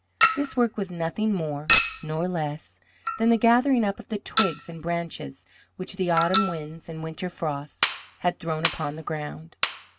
This work was nothing more nor less than the gathering up of the twigs and branches which the autumn winds and winter frosts had thrown upon the ground.